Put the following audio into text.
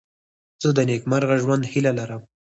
زه د نېکمرغه ژوند هیله لرم.